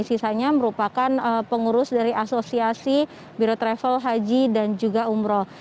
sisanya merupakan pengurus dari asosiasi biro travel haji dan juga umroh